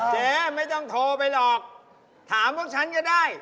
เจ๊ไม่ต้องโทรไปหรอกถามพวกฉันก็ได้